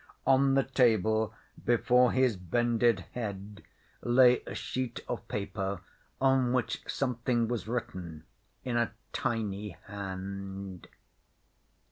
On the table, before his bended head, lay a sheet of paper on which something was written in a tiny hand.